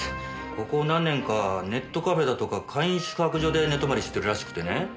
ここ何年かネットカフェだとか簡易宿泊所で寝泊まりしてるらしくてね。